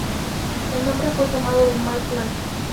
El nombre fue tomado del "Mark Banco".